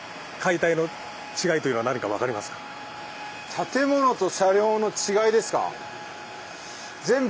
建物と車両の違いですか？